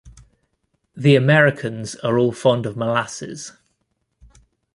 The Americans are all fond of molasses.